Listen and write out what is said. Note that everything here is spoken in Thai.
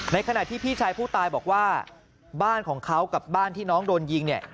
ขณะที่พี่ชายผู้ตายบอกว่าบ้านของเขากับบ้านที่น้องโดนยิงเนี่ย